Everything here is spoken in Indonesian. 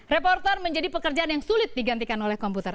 reporter menjadi pekerjaan yang sulit digantikan oleh komputer